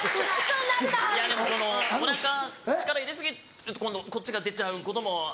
いやでもおなか力入れ過ぎると今度こっちが出ちゃうことも。